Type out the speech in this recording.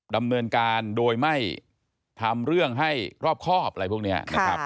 ดำเนินการโดยไม่ทำเรื่องให้รอบครอบอะไรพวกนี้นะครับ